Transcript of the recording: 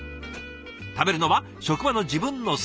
食べるのは職場の自分の席。